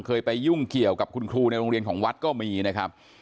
เคยไปยุ่งเกี่ยวกับคุณครูในโรงเรียนของวัดก็มีนะครับ